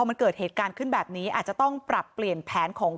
มันเกิดเหตุการณ์ขึ้นแบบนี้อาจจะต้องปรับเปลี่ยนแผนของ